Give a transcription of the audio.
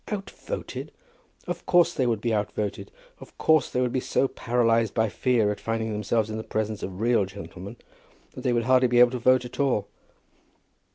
Outvoted! Of course they would be outvoted. Of course they would be so paralyzed by fear at finding themselves in the presence of real gentlemen, that they would hardly be able to vote at all.